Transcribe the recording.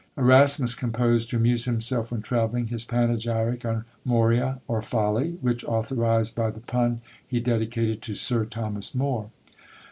Erasmus composed, to amuse himself when travelling, his panegyric on Moria, or folly; which, authorised by the pun, he dedicated to Sir Thomas More.